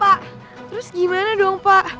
pak terus gimana dong pak